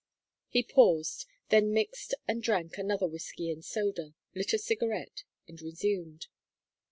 He paused, then mixed and drank another whiskey and soda, lit a cigarette, and resumed.